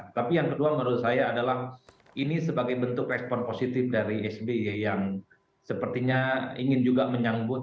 tapi yang kedua menurut saya adalah ini sebagai bentuk respon positif dari sby yang sepertinya ingin juga menyambut